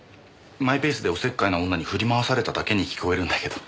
マイペースでおせっかいな女に振り回されただけに聞こえるんだけど。